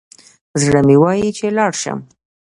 زړه مي وايي چي لاړ شم